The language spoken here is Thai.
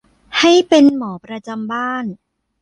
ให้เป็นหมอประจำบ้าน